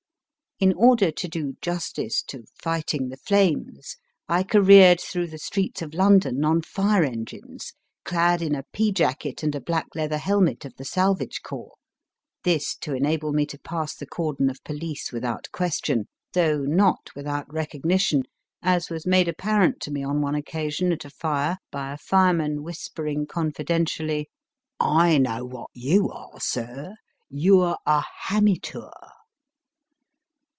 In order to do justice to Fighting the Flames I careered through the streets of London on fire engines, clad in a pea jacket and a black leather helmet of the Salvage Corps. This to enable me to pass the cordon of police without question though not without recognition, as was made apparent to me on one occasion at a fire by a fireman whispering confiden tially, I know what you are, sir, you re a hamitoor